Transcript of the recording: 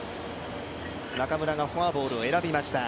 中村がフォアボールを選びました。